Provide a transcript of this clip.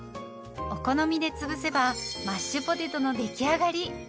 お好みで潰せばマッシュポテトの出来上がり。